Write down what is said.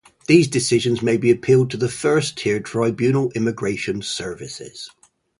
These decisions may be appealed to the First-tier Tribunal Immigration Services.